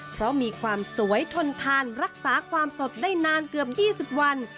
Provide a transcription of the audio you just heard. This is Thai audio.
เพราะมีความสวยทนทานรักษาความสดได้นานเกือบ๒๐วัน